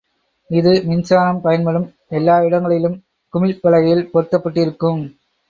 இது மின்சாரம் பயன்படும் எல்லா இடங்களிலும் குமிழ்ப் பலகையில் பொருத்தப்பட்டிருக்கும்.